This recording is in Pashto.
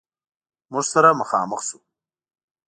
موږ سره مخامخ شو.